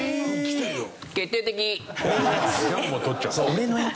俺のやつ。